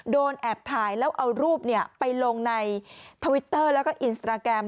แอบถ่ายแล้วเอารูปไปลงในทวิตเตอร์แล้วก็อินสตราแกรม